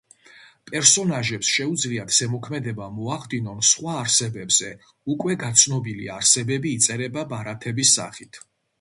პერსონაჟებს შეუძლიათ ზემოქმედება მოახდინონ სხვა არსებებზე, უკვე გაცნობილი არსებები იწერება ბარათების სახით.